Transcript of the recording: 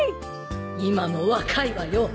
今も若いわよ